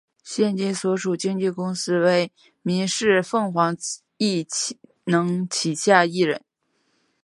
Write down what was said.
现今所属经纪公司为民视凤凰艺能旗下艺人。